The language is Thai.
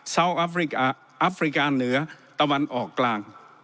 อัฟริกาเหนือตะวันออกกลาง